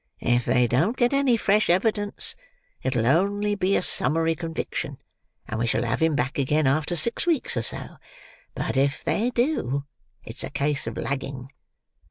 "If they don't get any fresh evidence, it'll only be a summary conviction, and we shall have him back again after six weeks or so; but, if they do, it's a case of lagging.